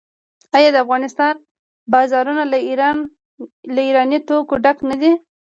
آیا د افغانستان بازارونه له ایراني توکو ډک نه دي؟